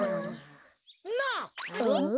なあ。